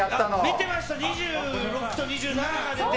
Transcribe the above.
見てました、２６と２７が出て。